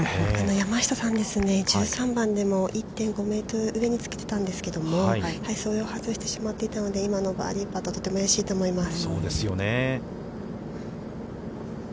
◆山下さんですが、１３番でも、１．５メートル上につけていたんですけど、それを外してしまっていたので、今のバーディーパットはとてもうれしいと思います。